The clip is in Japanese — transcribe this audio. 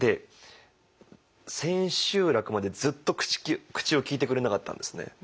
千秋楽までずっと口を利いてくれなかったんですね。